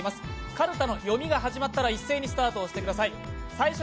カルタの読みが始まったら一斉にスタートしてください。